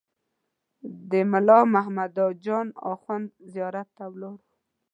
د ملا محمد جان اخوند زیارت ته ولاړم.